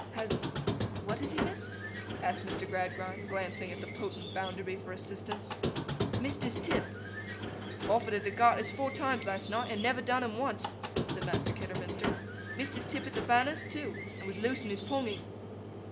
'Has—what has he missed?' asked Mr. Gradgrind, glancing at the potent Bounderby for assistance. 'Missed his tip.' 'Offered at the Garters four times last night, and never done 'em once,' said Master Kidderminster. 'Missed his tip at the banners, too, and was loose in his ponging.